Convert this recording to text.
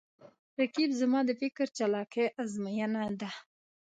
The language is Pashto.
رقیب زما د فکر چالاکي آزموینه ده